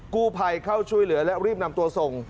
กู้ภัยเข้าช่วยเหลือและรีบนำตัวส่ง